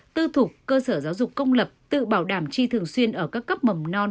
tư thục cơ sở giáo dục công lập tự bảo đảm chi thường xuyên ở các cấp mầm non